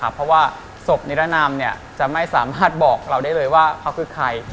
เพราะว่าศพนิรนามจะไม่สามารถบอกเราได้เลยว่าเขาคือใคร